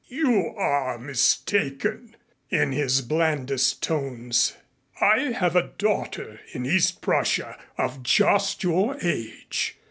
You are mistaken," in his blandest tones. "I have a daughter in East Prussia of just your age.